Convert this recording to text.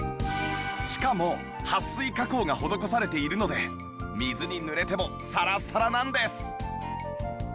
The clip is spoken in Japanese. しかもはっ水加工が施されているので水に濡れてもサラサラなんです